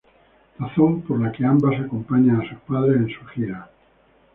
Razón por la que ambas acompañan a sus padres en sus giras.